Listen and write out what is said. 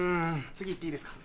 次行っていいですか？